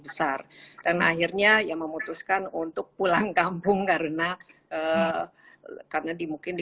besar dan akhirnya yang memutuskan untuk pulang kampung karena karena dimungkin di